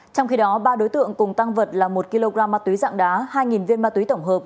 trong khi đó ba đối tượng cùng tăng vật là một kg ma túy dạng đá hai viên ma túy tổng hợp